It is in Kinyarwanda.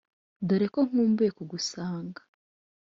dore ko nkumbuye kugusanga